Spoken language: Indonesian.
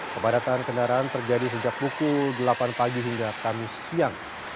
kepadatan kendaraan terjadi sejak pukul delapan pagi hingga kamis siang